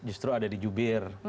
justru ada di jubir